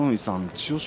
千代翔